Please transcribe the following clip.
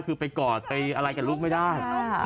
คือไปกอดไปอะไรกับลูกไม่ได้